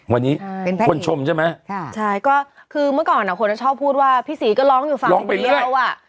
วันนี้เป็นแพทย์เองค่ะคือเมื่อก่อนคนชอบพูดว่าพี่ศรีก็ร้องอยู่ฝั่งเดียวอ่ะ